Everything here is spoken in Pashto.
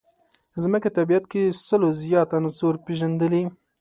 ځمکې طبیعت کې سلو زیات عناصر پېژندلي.